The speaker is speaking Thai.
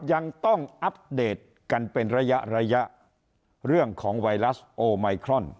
ยังต้องอัปเดตกันเป็นระยะระยะเรื่องของไวรัสโอไมครอน